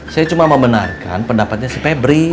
saya cuma membenarkan pendapatnya si pebri